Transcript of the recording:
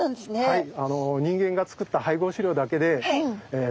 はい。